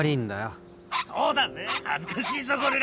そうだぜ暑苦しいぞゴリラ